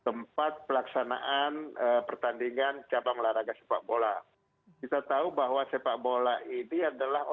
kemudian saya datang langsung dengan pak kapolri di stadion mandarang